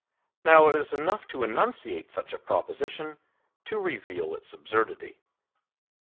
Now, it is enough to enunciate such a proposition to reveal its absurdity."